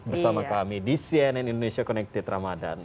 bersama kami di cnn indonesia connected ramadhan